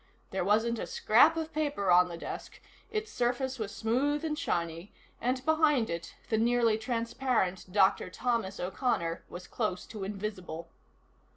There wasn't a scrap of paper on the desk; its surface was smooth and shiny, and behind it the nearly transparent Dr. Thomas O'Connor was close to invisible.